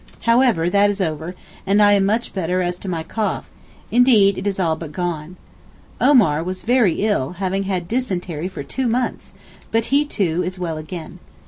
However that is over, and I am much better as to my cough—indeed it is all but gone. Omar was very ill having had dysentery for two months, but he too is well again.